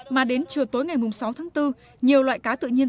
mà đến chiều tối ngày sáu tháng bốn nhiều loại cá tự nhiên